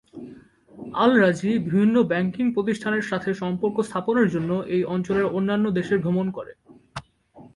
আল Rajhi বিভিন্ন banking প্রতিষ্ঠানের সাথে সম্পর্ক স্থাপনের জন্য এই অঞ্চলের অন্যান্য দেশে ভ্রমণ করে।